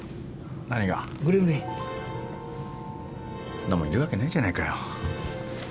んなもんいるわけねえじゃねえかよ！